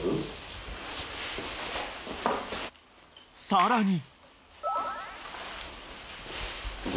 ［さらに］